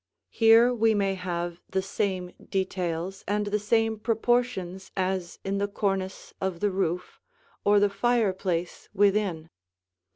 Here we may have the same details and the same proportions as in the cornice of the roof, or the fireplace within.